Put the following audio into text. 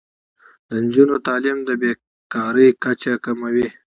د نجونو تعلیم د بې کارۍ کچه کموي.